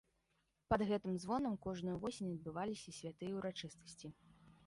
Пад гэтым звонам кожную восень адбываліся святыя ўрачыстасці.